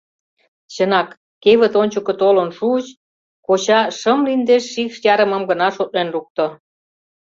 Чынак, кевыт ончыко толын шуыч — коча шымле индеш шикш ярымым гына шотлен лукто.